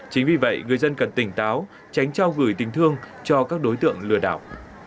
chính vì vậy người dân cần tỉnh táo tránh trao gửi tình thương cho các đối tượng lừa đảo